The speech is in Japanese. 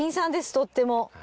とっても。